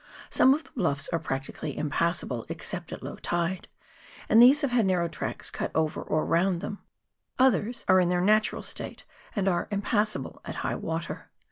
Some of the bluffs are practically impassable except at low tide, and these have had narrow tracks cut over or round them ; others are in their natural state and are impassable at high water.